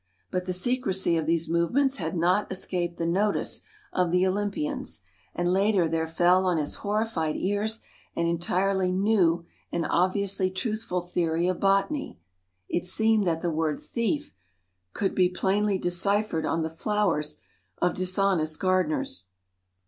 But the secrecy of these movements had not escaped the notice of the Olympians, and later there fell on his horrified ears an entirely new and obviously truthful theory of botany ; it seemed that the word " thief " could be plainly deciphered on the flowers of dishonest gardeners.